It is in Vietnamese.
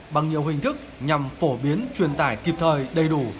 bằng nhiều hình thức nhằm phổ biến truyền tải kịp thời đầy đủ